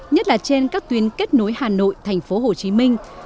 nhất là trên các tuyến kết nối hà nội thành phố hồ chí minh